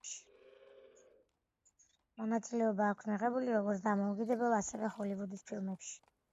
მონაწილეობა აქვს მიღებული როგორც დამოუკიდებელ, ასევე ჰოლივუდის ფილმებში.